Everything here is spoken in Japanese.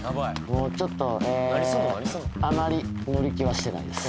もうちょっとあまり乗り気はしてないです